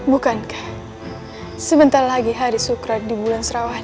bukankah sebentar lagi hari sukra di bulan serawahnya